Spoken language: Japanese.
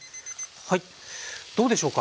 はいどうでしょうか。